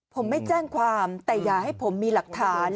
ผมไม่แจ้งความแต่อย่าให้ผมมีหลักฐาน